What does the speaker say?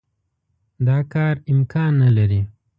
دا کار امکان نه لري.